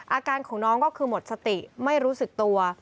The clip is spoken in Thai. อาการของน้องก็คือหมดสติไม่รู้สึกตัว